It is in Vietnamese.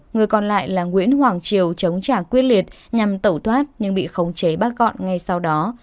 người còn lại là nguyễn hoàng triều chống trả quyết liệt nhằm tẩu thoát nhưng bị khống chế bắt gọn ngay sau đó